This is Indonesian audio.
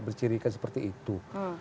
bercirikan seperti itu